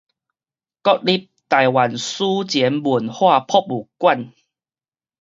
國立臺灣史前文化博物館